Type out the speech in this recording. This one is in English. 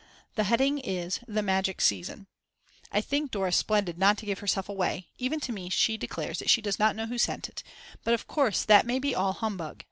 The heading is: "The Magic Season." I think Dora's splendid not to give herself away; even to me she declares she does not know who sent it; but of course that may be all humbug.